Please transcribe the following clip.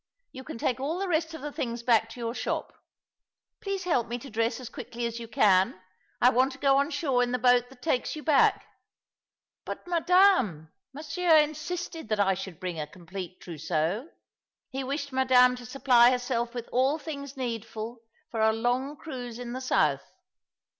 Yon can take all the rest of the things back to your shop. Please help me to dress as quickly as you can — I want to go on shore in the boat that takes you back." "But, Madame, Monsieur insisted that I should bring a complete trousseau. Bie wished Madame to supply herself with all things needful for a long cruise in the south."